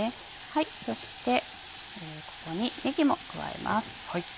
そしてここにねぎも加えます。